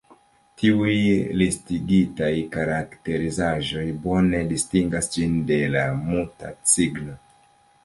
Tiuj listigitaj karakterizaĵoj bone distingas ĝin de la Muta cigno.